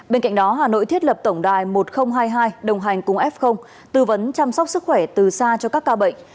bên cạnh đó hà nội thiết lập tổng đài một nghìn hai mươi hai đồng hành cùng f tư vấn chăm sóc sức khỏe từ xa cho các ca bệnh